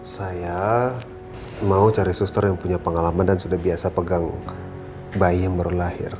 saya mau cari suster yang punya pengalaman dan sudah biasa pegang bayi yang baru lahir